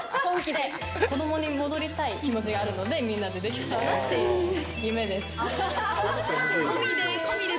子どもに戻りたい気持ちがあるので、みんなでできたらって、夢です。